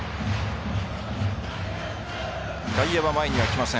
外野、前にはきません。